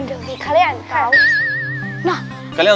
gak terbanding nih kalian